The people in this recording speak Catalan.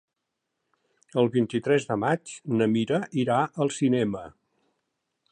El vint-i-tres de maig na Mira irà al cinema.